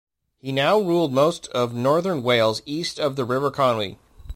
He now ruled most of northern Wales east of the River Conwy.